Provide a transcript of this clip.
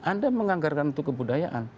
anda menganggarkan untuk kebudayaan